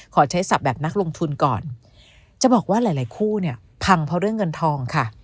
ขอใช้ศัพท์แบบนักลงทุนก่อนจะบอกว่าหลายหลายคู่เนี่ยพังเพราะเรื่องเงินทองค่ะ